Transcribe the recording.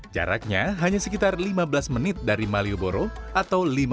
jaraknya hanya sekitar lima belas menit dari malioboro atau lima menit